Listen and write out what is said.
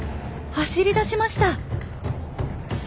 走りだしました。